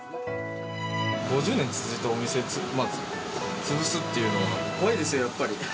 ５０年続いたお店を潰すっていうのは、怖いですよ、やっぱり。